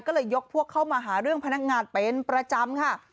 ก็เลยยกพวกเข้ามาหาเรื่องพนักงานเป็นประจำค่ะ